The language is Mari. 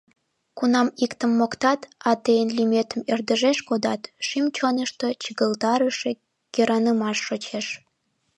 — Кунам иктым моктат, а тыйын лӱметым ӧрдыжеш кодат, шӱм-чонышто чыгылтарыше кӧранымаш шочеш.